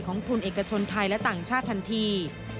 ทุนเอกชนไทยและต่างชาติทันที